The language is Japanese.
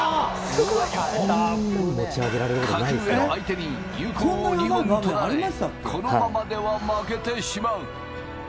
格上の相手に有効を２本取られ、このままでは負けてしまう。